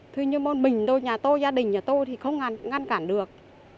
thế nhưng mà mình thôi nhà tôi gia đình nhà tôi thì không ngăn cản được